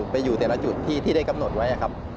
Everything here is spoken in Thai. ไปอยู่แต่ละจุดที่ได้กำหนดไว้ครับ